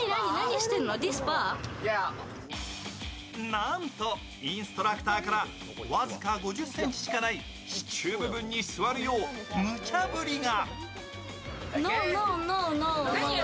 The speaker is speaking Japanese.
なんと、インストラクターから僅か５０ｃｍしかない、支柱部分に座るよう無茶ぶりが。